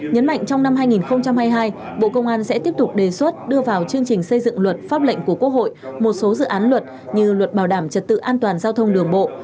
nhấn mạnh trong năm hai nghìn hai mươi hai bộ công an sẽ tiếp tục đề xuất đưa vào chương trình xây dựng luật pháp lệnh của quốc hội một số dự án luật như luật bảo đảm trật tự an toàn giao thông đường bộ